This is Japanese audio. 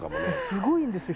すごいんですよ